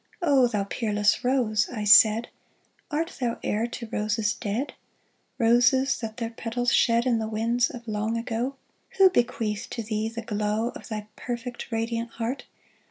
" O thou peerless rose !" I said, '' Art thou heir to roses dead — Roses that their petals shed In the winds of long ago ? Who bequeathed to thee the glow Of thy perfect, radiant heart